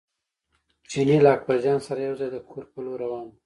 چیني له اکبرجان سره یو ځای د کور پر لور روان و.